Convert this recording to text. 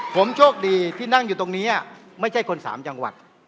ผมโชคดีที่นั่งอยู่ตรงนี้ไม่ใช่คนสามจังหวัด